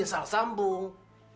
ya salah sambung